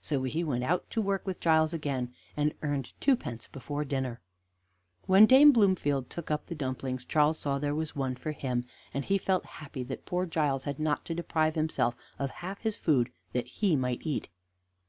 So he went out to work with Giles again, and earned twopence before dinner. When Dame Bloomfield took up the dumplings Charles saw there was one for him, and he felt happy that poor Giles had not to deprive himself of half his food that he might eat.